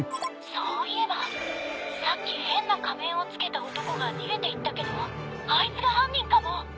そういえばさっき変な仮面を着けた男が逃げていったけどあいつが犯人かも。